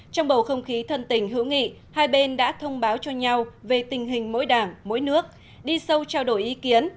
trong bầu không khí thân tình hữu nghị hai bên đã thông báo cho nhau về tình hình mỗi đảng mỗi nước đi sâu trao đổi ý kiến